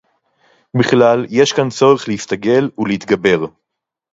בִּכְלָל, יֵשׁ כָּאן צֹרֶךְ לְהִסְתַּגֵּל וּלְהִתְגַּבֵּר.